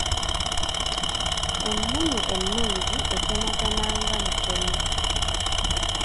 Emmunye ennungi etemagana nga mukene.